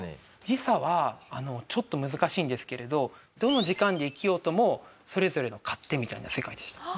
時差はちょっと難しいんですけれどどの時間で生きようともそれぞれの勝手みたいな世界でした。